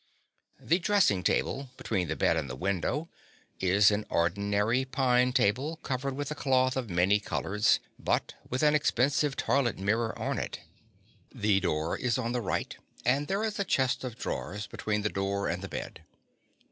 The dressing table, between the bed and the window, is an ordinary pine table, covered with a cloth of many colors, but with an expensive toilet mirror on it. The door is on the right; and there is a chest of drawers between the door and the bed.